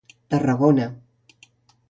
Tarragona.